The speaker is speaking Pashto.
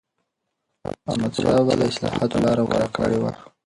احمدشاه بابا د اصلاحاتو لاره غوره کړې وه.